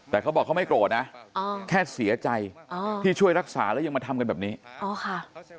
แต่เขาบอกเขาไม่โกรธนะแค่เสียใจอ๋อที่ช่วยรักษาแล้วยังมาทำกันแบบนี้อ๋อค่ะ